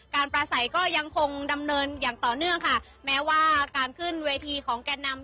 ปลาใสก็ยังคงดำเนินอย่างต่อเนื่องค่ะแม้ว่าการขึ้นเวทีของแก่นำ